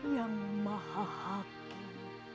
tuhan yang maha hakim